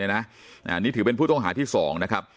นี่ถือเป็นผู้ต้องหาที่สองนะครับ